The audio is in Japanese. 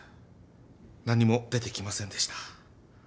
何も出てきませんでした。